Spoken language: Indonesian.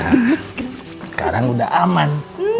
sekarang udah aman